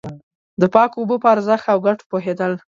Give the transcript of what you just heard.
د پاکو اوبو په ارزښت او گټو پوهېدل.